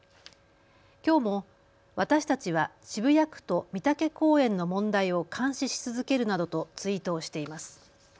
きょうも私たちは渋谷区と美竹公園の問題を監視し続けるなどとツイートをしています。